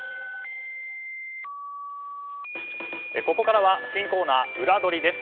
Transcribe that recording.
ここからは新コーナーウラどりです。